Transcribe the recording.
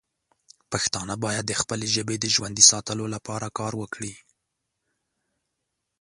پښتانه باید د خپلې ژبې د ژوندی ساتلو لپاره کار وکړي.